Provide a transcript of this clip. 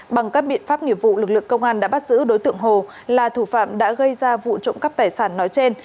bằng các biện pháp nghiệp vụ lực lượng công an đã bắt giữ đối tượng hồ là thủ phạm đã gây ra vụ trộm cắp tài sản nói trên